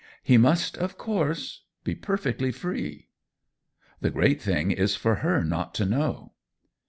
" He must of course be perfectly free." "The great thing is for her not to know."